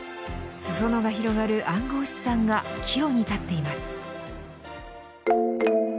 裾野が広がる暗号資産が岐路に立っています。